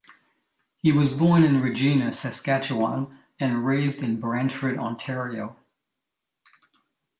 He was born in Regina, Saskatchewan and raised in Brantford, Ontario.